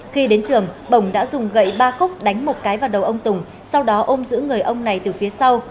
khi đến trường bồng đã dùng gậy ba khúc đánh một cái vào đầu ông tùng sau đó ôm giữ người ông này từ phía sau